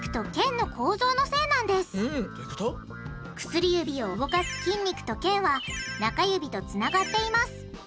薬指を動かす筋肉と腱は中指とつながっています。